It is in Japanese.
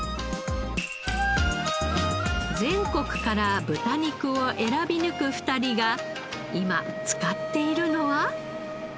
全国から豚肉を選び抜く２人が今使っているのは？